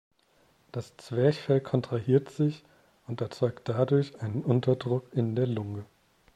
Das Zwerchfell kontrahiert sich und erzeugt dadurch einen Unterdruck in der Lunge.